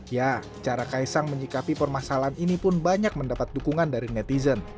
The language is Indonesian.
ya cara kaisang menyikapi permasalahan ini pun banyak mendapat dukungan dari netizen